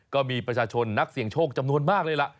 ก็มีประชาชนนักเสี่ยงโชคจำนวนมากเลยล่ะ